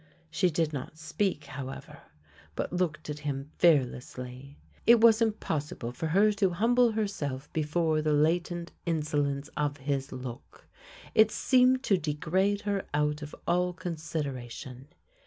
She did not speak, however, but looked at him fear lessly. It was impossible for her to humble herself be fore the latent insolence of his look. It seemed to de grade her out of all consideration.